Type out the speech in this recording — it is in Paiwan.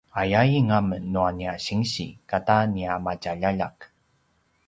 ayain amen nua nia sinsi kata nia matjaljaljak